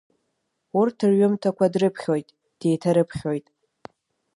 Урҭ рҩымҭақәа дрыԥхьоит, деиҭарыԥхьоит.